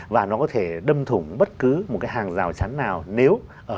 và nó có thể đâm thủng bất cứ một cái hàng rào chắn nào